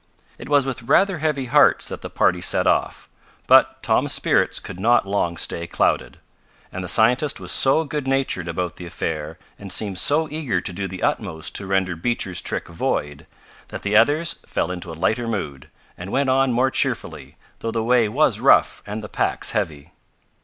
It was with rather heavy hearts that the party set off, but Tom's spirits could not long stay clouded, and the scientist was so good natured about the affair and seemed so eager to do the utmost to render Beecher's trick void, that the others fell into a lighter mood, and went on more cheerfully, though the way was rough and the packs heavy.